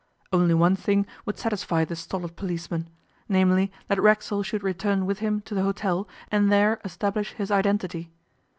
Only one thing would satisfy the stolid policeman namely, that Racksole should return with him to the hotel and there establish his identity.